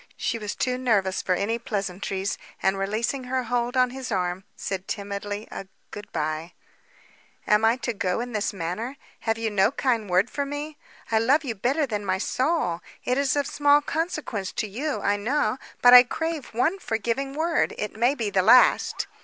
She was too nervous for any pleasantries, and releasing her hold on his arm, said timidly, a "Good bye!" "Am I to go in this manner? Have you no kind word for me? I love you better than my soul. It is of small consequence to you, I know, but I crave one forgiving word. It may be the last."